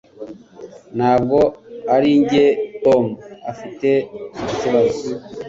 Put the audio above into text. Ntabwo arinjye Tom afite ikibazo